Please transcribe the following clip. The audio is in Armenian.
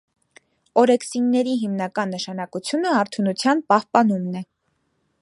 Օրեքսինների հիմնական նշանակությունը արթունության պահպանումն է։